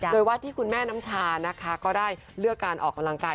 โดยว่าที่คุณแม่น้ำชานะคะก็ได้เลือกการออกกำลังกาย